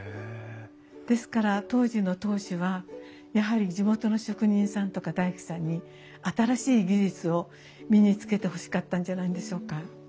ですから当時の当主はやはり地元の職人さんとか大工さんに新しい技術を身につけてほしかったんじゃないんでしょうか。